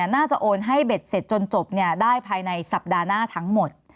น่าจะโอนให้เบ็ดเสร็จจนจบได้ภายในสัปดาห์หน้าทั้งหมด